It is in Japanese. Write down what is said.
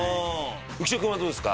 浮所君はどうですか？